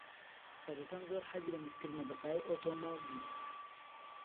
سەگەکەم زۆر حەزی لە میزکردنە بە تایەی ئۆتۆمۆبیل.